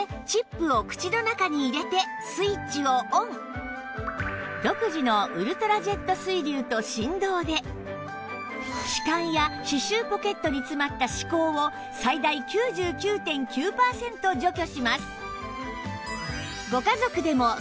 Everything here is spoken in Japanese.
こちらは続いてと振動で歯間や歯周ポケットに詰まった歯垢を最大 ９９．９ パーセント除去します